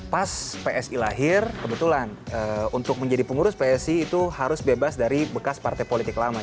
pas psi lahir kebetulan untuk menjadi pengurus psi itu harus bebas dari bekas partai politik lama